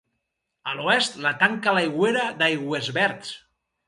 A l'oest la tanca l'Aigüera d'Aigüesverds.